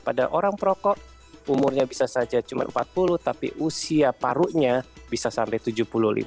pada orang perokok umurnya bisa saja cuma empat puluh tapi usia parunya bisa sampai tujuh puluh lima